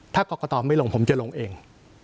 ถ้ากรกตไม่ลงผมจะลงเอง